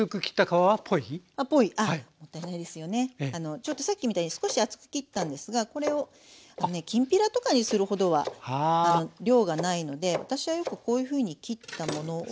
ちょうどさっきみたいに少し厚く切ったんですがこれをきんぴらとかにするほどは量がないので私はよくこういうふうに切ったものを。